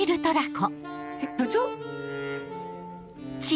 えっ部長？